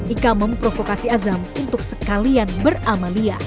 ika memprovokasi azam untuk sekalian beramalia